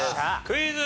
クイズ。